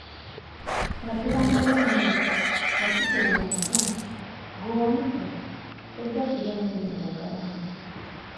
Nga tebannalya mmere, Wakikere yagamba, ggwe Wamusota, tojja kulya mmere ng'ogalamidde.